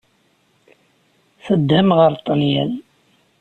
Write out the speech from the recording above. Teddam ɣer Ṭṭalyan.